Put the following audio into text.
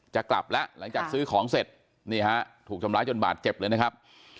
จะกลับแล้วหลังจากซื้อของเสร็จนี่ฮะถูกทำร้ายจนบาดเจ็บเลยนะครับ